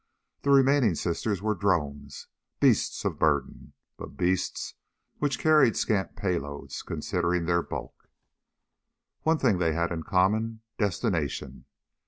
The remaining sisters were drones, beasts of burden, but beasts which carried scant payloads considering their bulk. One thing they had in common destination.